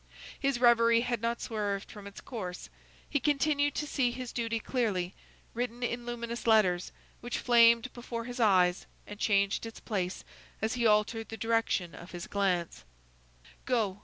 His reverie had not swerved from its course. He continued to see his duty clearly, written in luminous letters, which flamed before his eyes and changed its place as he altered the direction of his glance:— _"Go!